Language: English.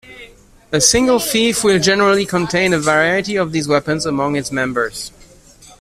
A single fief will generally contain a variety of these weapons among its members.